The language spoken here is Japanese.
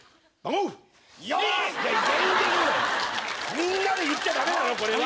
みんなで言っちゃ駄目なのこれは。